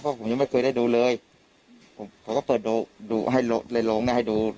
เพราะผมยังไม่เคยได้ดูเลยผมเขาก็เปิดดูดูให้เลยลงเนี่ยให้ดู